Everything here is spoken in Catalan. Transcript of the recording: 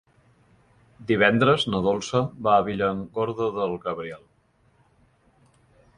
Divendres na Dolça va a Villargordo del Cabriel.